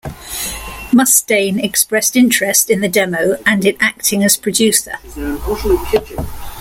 Mustaine expressed interest in the demo and in acting as producer.